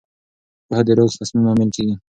پوهه د روغ تصمیم لامل کېږي.